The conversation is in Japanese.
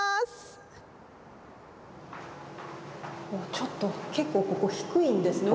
ちょっと結構ここ低いんですね。